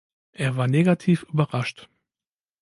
Er war negativ überrascht.